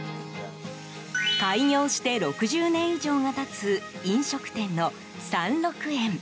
開業して６０年以上が経つ飲食店の山麓園。